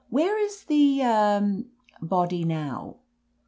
"Where is the— er — body now?"